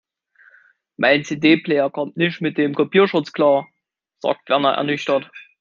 Mein CD-Player kommt nicht mit dem Kopierschutz klar, sagt Werner ernüchtert.